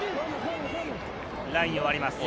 ラインを割ります。